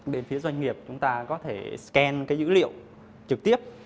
đến phía doanh nghiệp chúng ta có thể scan cái dữ liệu trực tiếp